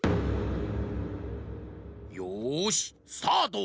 よしスタート！